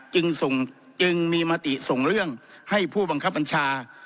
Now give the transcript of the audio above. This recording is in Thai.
จึงจึงมีมติส่งเรื่องให้ผู้บังคับบัญชา